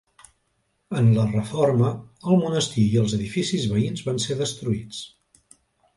En la reforma, el monestir i els edificis veïns van ser destruïts.